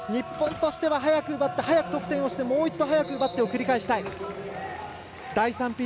日本としては早く奪って早く得点をして、もう一度早く奪ってを繰り返したい。